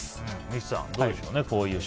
三木さん、どうでしょう。